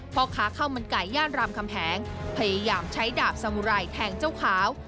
พ่อค้าข้าวมันไก่ย่านรามคำแหงพยายามใช้ดาบสมุไรแทงเจ้าขาว